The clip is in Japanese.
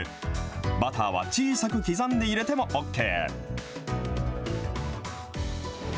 バターは小さく刻んで入れてもＯＫ。